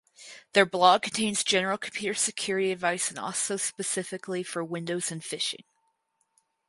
Their blog contains general computer security advice and also specifically for Windows and phishing.